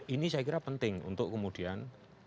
ini saya kira penting untuk kemudian